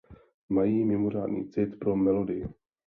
Mají mimořádný cit pro melodii.